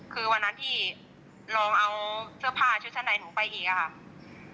คือวันนั้นที่ลองเอาเสื้อผ้าชุดชั้นในหนูไปอีกอะค่ะ